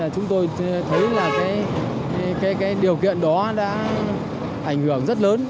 chúng tôi thấy là điều kiện đó đã ảnh hưởng rất lớn